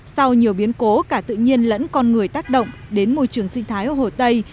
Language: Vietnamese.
sau nhiều biến cố cả tự nhiên lẫn con người tác động đến môi trường sinh thái ở hồ tây